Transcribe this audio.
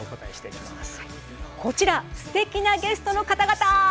こちらすてきなゲストの方々！